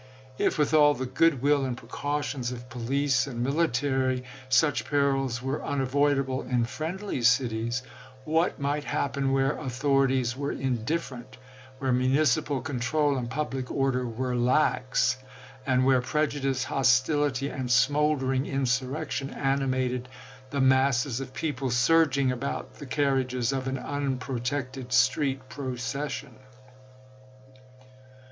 If with all the good will and precautions of police and military such perils were unavoidable in friendly cities, what might happen where authorities were indifferent, where municipal control and public order were lax, and where prejudice, hostility, and smoldering insurrec tion animated the masses of people surging about the carriages of an unprotected street procession